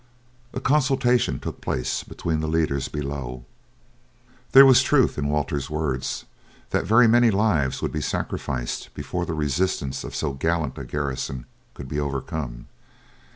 A consultation took place between the leaders below. There was truth in Walter's words that very many lives would be sacrificed before the resistance of so gallant a garrison could be overcome.